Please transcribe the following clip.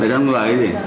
về trong người ấy gì